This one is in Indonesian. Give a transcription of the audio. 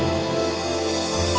sampai jumpa lagi